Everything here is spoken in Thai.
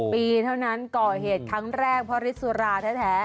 ปีเท่านั้นก่อเหตุครั้งแรกเพราะฤทธิสุราแท้